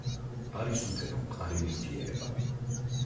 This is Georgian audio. არის უფერო, მყარი ნივთიერება.